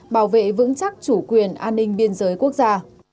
bảo vệ vững chắc chủ quyền an ninh biên giới quốc gia